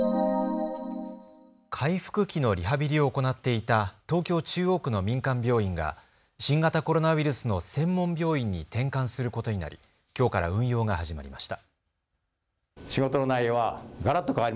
回復期のリハビリを行っていた東京中央区の民間病院が新型コロナウイルスの専門病院に転換することになりきょうから運用が始まりました。